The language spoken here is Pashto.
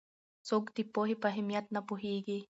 څوک د پوهې په اهمیت نه پوهېږي؟